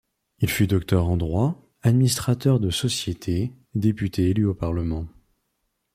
Il fut docteur en droit, administrateur de sociétés, député élu au parlement.